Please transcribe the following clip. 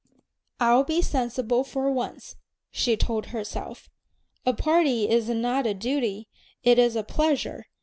"I'll be sensible for once," she told herself. "A party is not a duty, it is a pleasure.